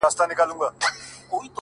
• عجيب سړى يم له سهاره تر غرمې بيدار يم،